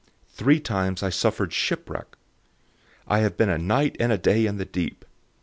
Three times I suffered shipwreck. I have been a night and a day in the deep.